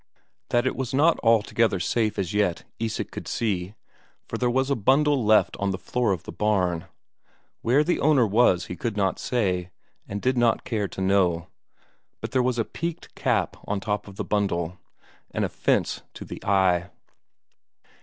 That it was not altogether safe as yet Isak could see, for there was a bundle left on the floor of the barn. Where the owner was he could not say, and did not care to know, but there was a peaked cap on top of the bundle an offence to the eye.